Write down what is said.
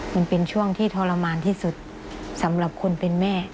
มันเป็นช่วงที่ทรมานที่สุดสำหรับคนเป็นแม่